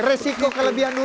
resiko kelebihan durasi ya